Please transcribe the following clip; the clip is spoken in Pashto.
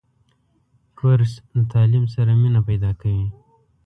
کورس د تعلیم سره مینه پیدا کوي.